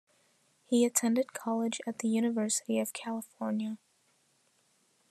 He attended college at the University of California.